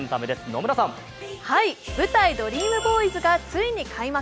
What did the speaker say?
舞台「ドリームボーイズ」がついに開幕。